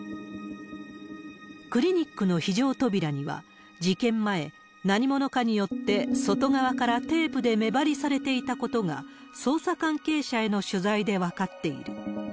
クリニックの非常扉には事件前、何者かによって外側からテープで目張りされていたことが、捜査関係者への取材で分かっている。